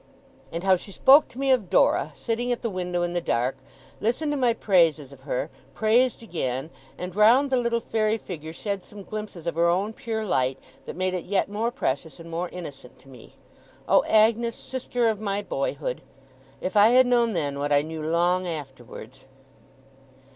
And how she spoke to me of Dora, sitting at the window in the dark; listened to my praises of her; praised again; and round the little fairy figure shed some glimpses of her own pure light, that made it yet more precious and more innocent to me! Oh, Agnes, sister of my boyhood, if I had known then, what I knew long afterwards